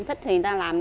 thích thì người ta làm